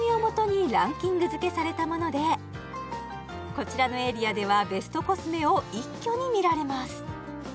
こちらのエリアではベストコスメを一挙に見られます